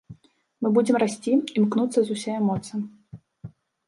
Мы будзем расці, імкнуцца з усяе моцы.